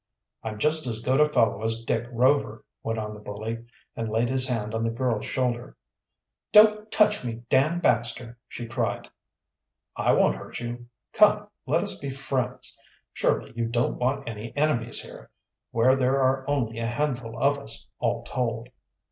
"I'm just as good a fellow as Dick Rover," went on the bully, and laid his hand on the girl's shoulder. "Don't touch me, Dan Baxter!" she cried. "I won't hurt you. Come, let us be friends. Surely you don't want any enemies here, where there are only a handful of us, all told."